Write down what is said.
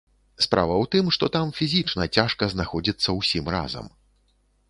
Справа ў тым, што там фізічна цяжка знаходзіцца ўсім разам.